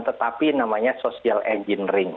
tetapi namanya social engineering